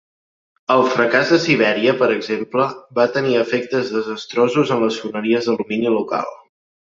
El fracàs de Siberia, per exemple, va tenir efectes desastrosos en les foneries d'alumini local.